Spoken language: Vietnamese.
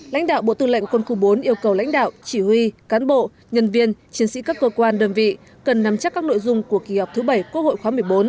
lãnh đạo bộ tư lệnh quân khu bốn yêu cầu lãnh đạo chỉ huy cán bộ nhân viên chiến sĩ các cơ quan đơn vị cần nắm chắc các nội dung của kỳ họp thứ bảy quốc hội khóa một mươi bốn